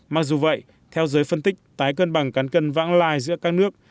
mặc dù vậy theo giới phân tích tái cân bằng cán cân vãng lai giữa các nước